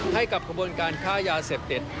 ให้กับขบวนการค้ายาเสพติด